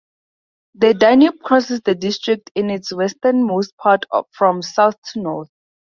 The Danube crosses the district in its westernmost part from south to north.